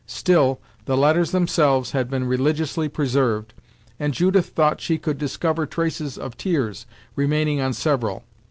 Still the letters themselves had been religiously preserved, and Judith thought she could discover traces of tears remaining on several.